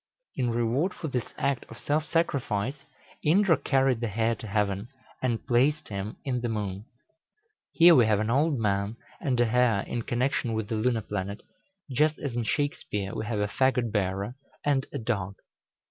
In reward for this act of self sacrifice, Indra carried the hare to heaven, and placed him in the moon. Here we have an old man and a hare in connection with the lunar planet, just as in Shakspeare we have a fagot bearer and a dog.